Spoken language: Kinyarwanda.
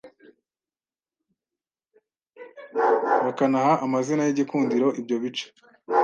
bakanaha amazina y'igikundiro ibyo bice